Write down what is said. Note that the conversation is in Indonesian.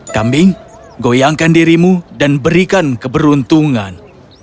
kambing goyangkan dirimu dan berikan keberuntungan